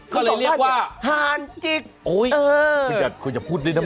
เขาเลยเรียกว่าหาจิก